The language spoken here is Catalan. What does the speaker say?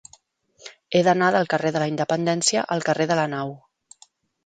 He d'anar del carrer de la Independència al carrer de la Nau.